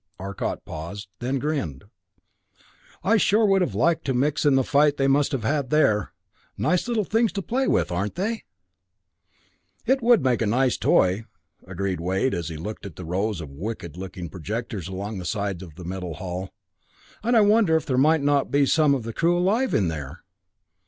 Arcot paused, then grinned. "I sure would have liked to mix in the fight they must have had here nice little things to play with, aren't they?" "It would make a nice toy," agreed Wade as he looked at the rows of wicked looking projectors along the sides of the metal hull, "and I wonder if there might not be some of the crew alive in there?